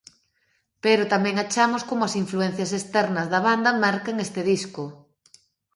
Pero tamén achamos como as influencias externas da banda marcan este disco.